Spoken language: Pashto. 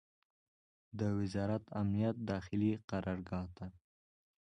د وزارت امنیت داخلي قرارګاه ته